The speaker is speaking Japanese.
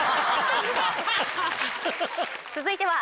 続いては。